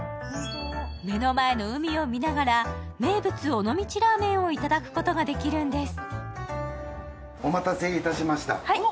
目の前の海を見ながら、名物尾道ラーメンをいただくことができるんです。